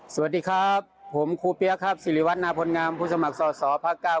สวัสดีครับผมครูเปี๊ยกครับสิริวัฒนาพลงามผู้สมัครสอสอภาคเก้า